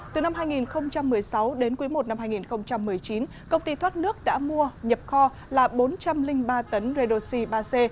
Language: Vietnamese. từ năm hai nghìn một mươi sáu đến quý i năm hai nghìn một mươi chín công ty thoát nước đã mua nhập kho là bốn trăm linh ba tấn redoxi ba c